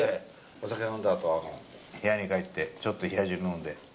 「お酒飲んだあと部屋に帰ってちょっと冷汁飲んで」